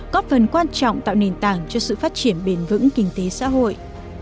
có phần quan trọng tạo nền tảng cho sự phát triển bền vững kinh tế xã hội